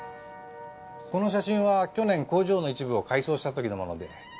この写真は去年工場の一部を改装した時のもので。